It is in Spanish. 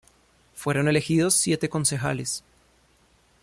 Fueron elegidos siete concejales.